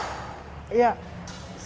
untuk supaya umkm ini bisa masuk ke digital